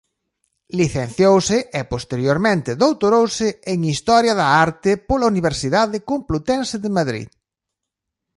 Licenciouse e posteriormente doutorouse en Historia da Arte pola Universidade Complutense de Madrid.